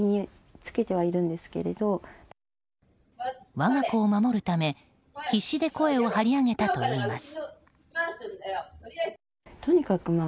我が子を守るため必死で声を張り上げたといいます。